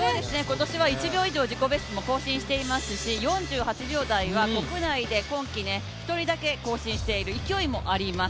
今年は１秒以上自己ベストも更新していますし、４８秒台は国内で今季１人だけ更新している勢いもあります。